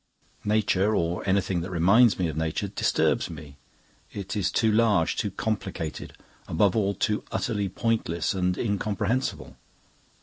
Nature, or anything that reminds me of nature, disturbs me; it is too large, too complicated, above all too utterly pointless and incomprehensible.